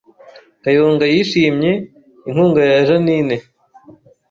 Kayonga yashimye inkunga ya Jeaninne